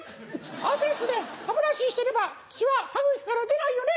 アセスで歯ブラシしてれば血は歯茎から出ないよね？